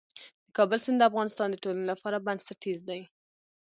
د کابل سیند د افغانستان د ټولنې لپاره بنسټيز دی.